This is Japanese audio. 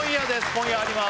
今夜あります